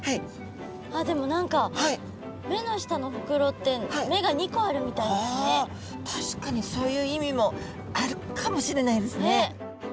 あっでも何か目の下のほくろってあ確かにそういう意味もあるかもしれないですね。